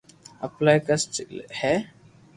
ايلائي ڪسٽ ۾ ھي